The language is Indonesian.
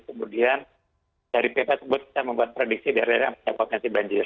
kemudian dari pp tersebut kita membuat prediksi daerah daerah yang punya potensi banjir